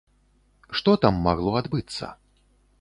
Што там магло адбыцца?